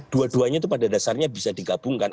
dua duanya itu pada dasarnya bisa digabungkan